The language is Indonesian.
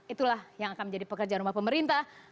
itulah yang akan menjadi pekerjaan rumah pemerintah